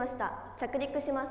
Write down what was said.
着陸します」。